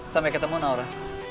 sampai ketemu naura